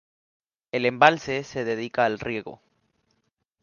El embalse se dedica al riego.